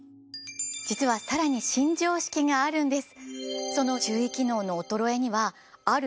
実は更に新常識があるんです。